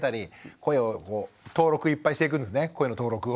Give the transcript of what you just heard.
声の登録を。